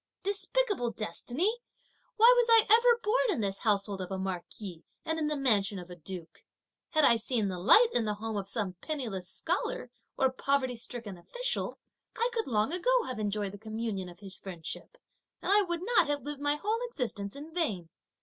Despicable destiny! why was I ever born in this household of a marquis and in the mansion of a duke? Had I seen the light in the home of some penniless scholar, or poverty stricken official, I could long ago have enjoyed the communion of his friendship, and I would not have lived my whole existence in vain!